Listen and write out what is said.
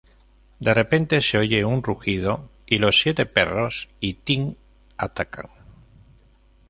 De repente se oye un rugido, y los siete perros y Tim atacan.